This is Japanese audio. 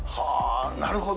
なるほど。